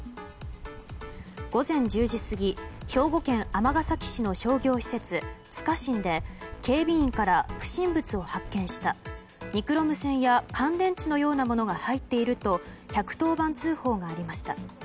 午前１０時過ぎ兵庫県尼崎市の商業施設つかしんで警備員から不審物を発見したニクロム線や乾電池のようなものが入っていると１１０番通報がありました。